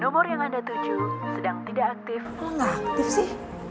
kok lo gak aktif sih